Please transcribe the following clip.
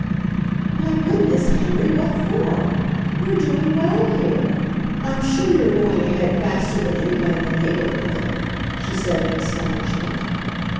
"My goodness, Henry, what for? We're do ing well here ; I'm sure you're going ahead faster than any one in the neighborhood," she said in astonishment.